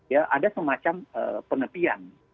ya ada semacam penepian